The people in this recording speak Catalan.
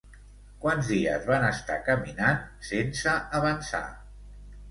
Quants dies van estar caminant sense avançar?